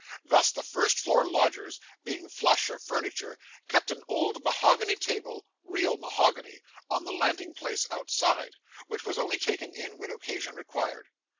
Thus, the first floor lodgers, being flush of furniture, kept an old mahogany table real mahogany on the landing place outside, which was only taken in, when occasion required.